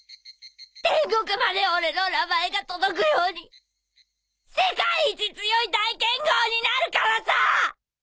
天国まで俺の名前が届くように世界一強い大剣豪になるからさ！